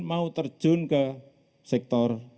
mau terjun ke sektor